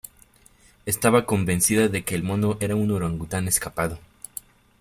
Estaba convencida de que el mono era un orangután escapado.